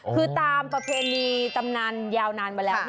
คือตามประเพณีตำนานยาวนานมาแล้ว